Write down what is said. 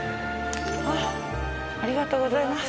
ありがとうございます。